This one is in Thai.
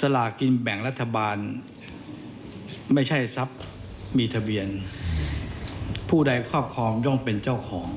สลากินแบ่งรัฐบาลไม่ใช่ทรัพย์มีทะเบียนผู้ใดครอบครองย่องเป็นเจ้าของ